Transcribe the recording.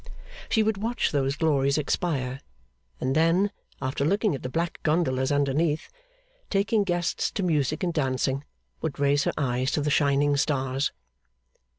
She would watch those glories expire; and then, after looking at the black gondolas underneath, taking guests to music and dancing, would raise her eyes to the shining stars.